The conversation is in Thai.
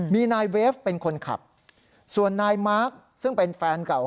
มีนายเวฟเป็นคนขับส่วนนายมาร์คซึ่งเป็นแฟนเก่า